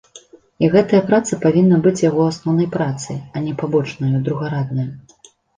І гэтая праца павінна быць яго асноўнай працай, а не пабочнаю, другараднаю.